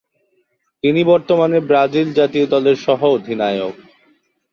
তিনি বর্তমানে ব্রাজিল জাতীয় দলের সহ-অধিনায়ক।